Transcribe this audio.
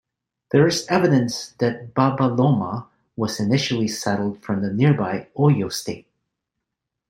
There is evidence that Babaloma was initially settled from the nearby Oyo State.